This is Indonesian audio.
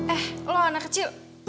eh lo anak kecil